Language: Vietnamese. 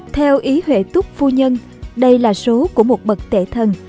theo ý huệ túc phu nhân đây là số của một bậc tệ thần